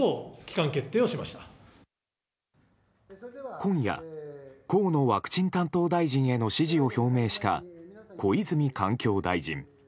今夜河野ワクチン担当大臣への支持を表明した小泉環境大臣。